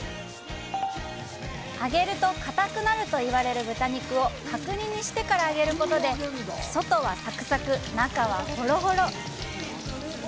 揚げると硬くなるといわれる豚肉を角煮にしてから揚げることで外はサクサク、中は、ほろほろ。